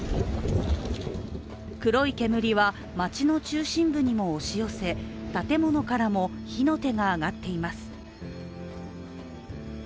黒い煙は街の中心部にも押し寄せ、建物からも火の手が上がっています。